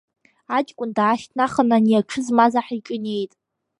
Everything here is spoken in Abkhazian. Аҷкәын даашьҭнахын, ани аҽы змаз аҳ иҿы инеит.